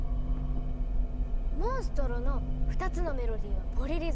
モンストロの２つのメロディーはポリリズム。